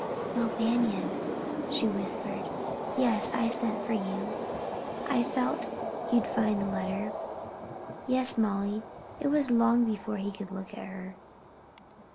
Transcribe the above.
"Will Banion!" she whispered. "Yes, I sent for you. I felt you'd find the letter." "Yes, Molly." It was long before he would look at her.